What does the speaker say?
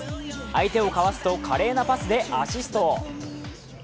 相手を交わすと華麗なパスでアシスト。